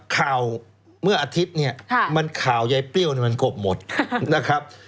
ข่าวเมื่ออาทิตย์เนี่ยมันข่าวยายเปรี้ยวมันกบหมดนะครับ